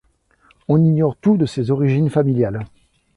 On ignore tout de ses origines familiales.